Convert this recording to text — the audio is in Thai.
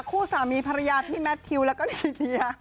คู่สามีพรรยาพี่แมททิวและก็ดิจริยา